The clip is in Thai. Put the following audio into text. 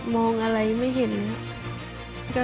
มองอะไรไม่เห็นนะครับ